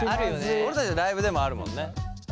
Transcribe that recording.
俺たちのライブでもあるもんね。